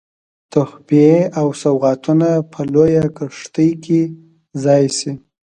تحفې او سوغاتونه په لویه کښتۍ کې ځای سي.